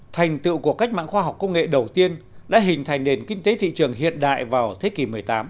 thành tựu của cách mạng khoa học công nghệ đầu tiên đã hình thành nền kinh tế thị trường hiện đại vào thế kỷ một mươi tám